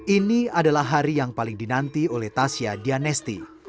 ini adalah hari yang paling dinanti oleh tasya dianesti